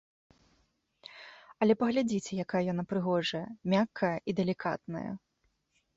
Але паглядзіце, якая яна прыгожая, мяккая і далікатная!